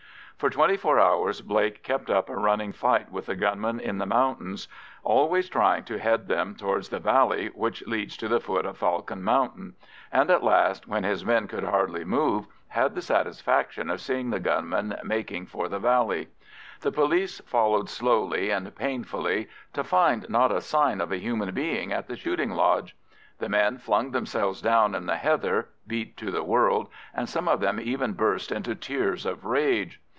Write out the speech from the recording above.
For twenty four hours Blake kept up a running fight with the gunmen in the mountains, always trying to head them towards the valley which leads to the foot of Falcon Mountain, and at last, when his men could hardly move, had the satisfaction of seeing the gunmen making for the valley. The police followed slowly and painfully, to find not a sign of a human being at the shooting lodge. The men flung themselves down in the heather, beat to the world, and some of them even burst into tears of rage.